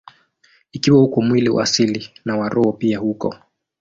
Ikiwa uko mwili wa asili, na wa roho pia uko.